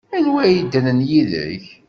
Anwi ay yeddren yid-k?